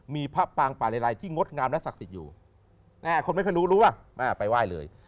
มีพระปางป่าเลไลที่งดงามลักษณะศักดิ์อยู่